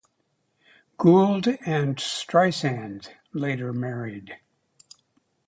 Gould and Streisand later married.